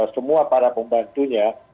semua para pembantunya